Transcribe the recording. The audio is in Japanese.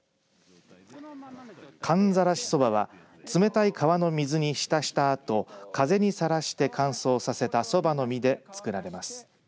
寒ざらしそばは冷たい川の水に浸したあと風にさらして乾燥させたそばの実で作られます。